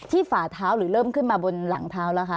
ฝาเท้าหรือเริ่มขึ้นมาบนหลังเท้าแล้วคะ